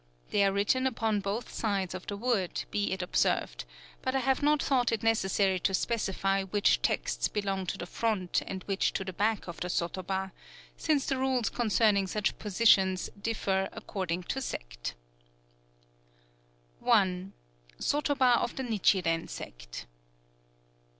They are written upon both sides of the wood, be it observed; but I have not thought it necessary to specify which texts belong to the front, and which to the back of the sotoba, since the rules concerning such position differ according to sect: I. SOTOBA OF THE NICHIREN SECT.